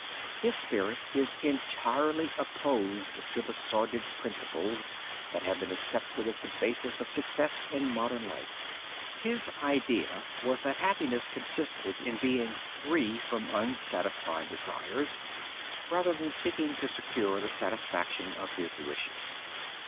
His spirit is entirely opposed to the sordid principles that have been accepted as the basis of success in modern life. His idea was that happiness consisted in being free from unsatisfied desires rather than seeking to secure the satisfaction of his wishes.